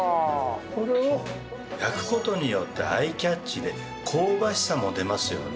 これを焼く事によってアイキャッチで香ばしさも出ますよね。